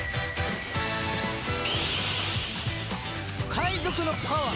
海賊のパワー！